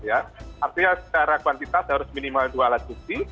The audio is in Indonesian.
artinya secara kuantitas harus minimal dua alat bukti